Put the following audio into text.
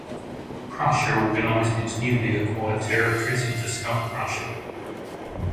Prussia organized its newly acquired territories into South Prussia.